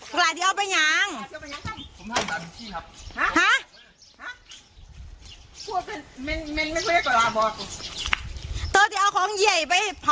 ปากหลายเยอะเฮ้ยจังสิแม่